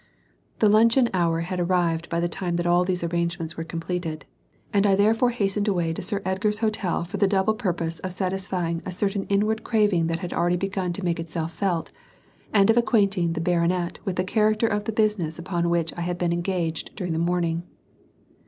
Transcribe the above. The luncheon hour had arrived by the time that all these arrangements were completed, and I therefore hastened away to Sir Edgar's hotel for the double purpose of satisfying a certain inward craving that had already begun to make itself felt, and of acquainting the baronet with the character of the business upon which I had been engaged during the morning.